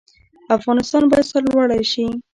افغانستان باید سرلوړی شي